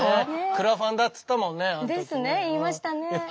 クラファンだっつったもんねあの時ね。ですね言いましたね。